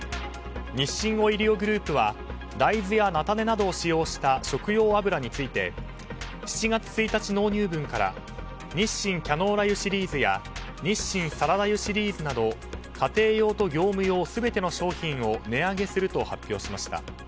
日清オイリオグループは大豆や菜種などを使用した食用油について７月１日納入分から日新キャノーラ油シリーズや日新サラダ油シリーズなど家庭用と業務用全ての商品を値上げすると発表しました。